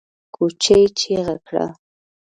کوچي چيغه کړه!